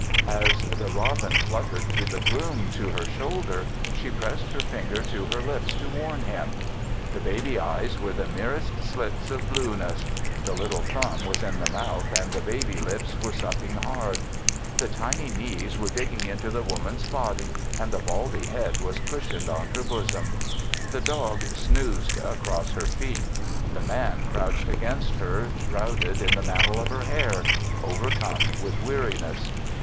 As the robin fluttered through the gloom to her shoulder, she pressed her finger to her lips to warn him. The baby eyes were the merest slits of blueness. The little thumb was in the mouth and the baby lips were sucking hard. The tiny knees were digging into the Woman's body and the baldy head was cushioned on her bosom. The dog snoozed across her feet. The Man crouched against her, shrouded in the mantle of her hair, overcome with weariness.